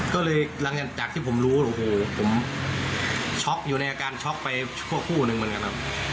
ก็เลยหลังจากที่ผมรู้โอ้โหผมช็อกอยู่ในอาการช็อกไปชั่วคู่หนึ่งเหมือนกันครับ